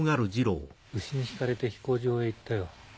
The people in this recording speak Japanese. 牛に引かれて飛行場へ行ったよ。